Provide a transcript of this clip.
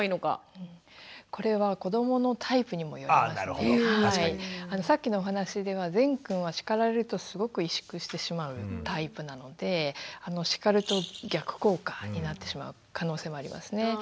これはさっきのお話ではぜんくんは叱られるとすごく萎縮してしまうタイプなので叱ると逆効果になってしまう可能性もありますね。